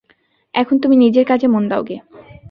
এখন তুমি নিজের কাজে মন দাওগে।